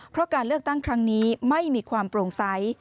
เพราะการเลือกตั้งครั้งนี้ไม่มีความโปร่งใส